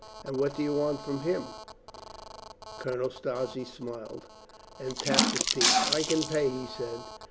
"And what do you want of him?" Colonel Strozzi smiled and tapped his teeth. "I can pay," he said.